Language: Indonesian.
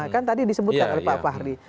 kan tadi disebutkan oleh pak fahri